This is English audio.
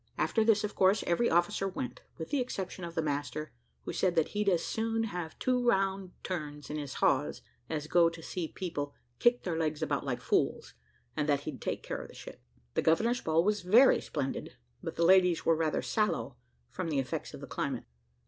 After this, of course, every officer went, with the exception of the master, who said that he'd as soon have two round turns in his hawse as go to see people kick their legs about like fools, and that he'd take care of the ship. The governor's ball was very splendid; but the ladies were rather sallow, from the effects of the climate.